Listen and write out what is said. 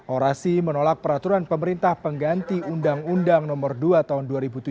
orasi menolak peraturan pemerintah pengganti undang undang no dua tahun dua ribu tujuh belas